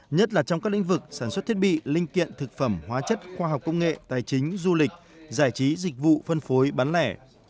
nhất là trong các lĩnh vực sản xuất thiết bị linh kiện thực phẩm hóa chất khoa học công nghệ tài chính du lịch giải trí dịch vụ phân phối bán lẻ